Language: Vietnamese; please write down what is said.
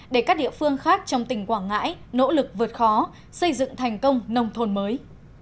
để các địa phương khác trong tỉnh quảng ngãi nỗ lực vượt khó xây dựng thành công nông thôn mới